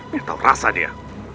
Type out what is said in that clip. biar tau rasa dia